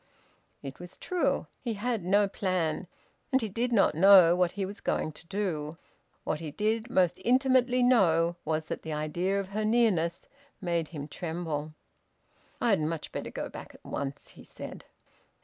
It was true. He had no plan, and he did not know what he was going to do. What he did most intimately know was that the idea of her nearness made him tremble. "I'd much better go back at once," he said.